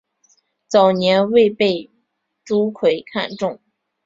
早年很被朱圭看重。